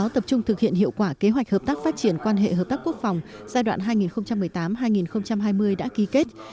thực hiện hiệu quả kế hoạch hợp tác phát triển quan hệ hợp tác quốc phòng giai đoạn hai nghìn một mươi tám hai nghìn hai mươi đã ký kết